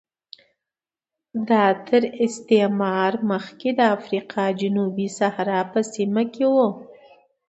دا تر استعمار مخکې د افریقا جنوبي صحرا په سیمه کې و